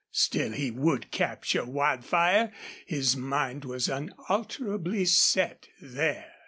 Still he would capture Wildfire; his mind was unalterably set there.